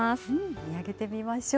見上げてみましょう。